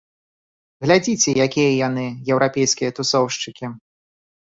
Глядзіце, якія яны, еўрапейскія тусоўшчыкі!